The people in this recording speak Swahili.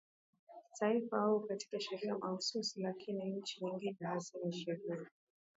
taifa au katika sheria mahsusi lakini nchi nyingine hazina sheria